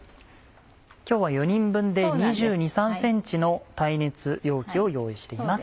今日は４人分で２２２３ｃｍの耐熱容器を用意しています。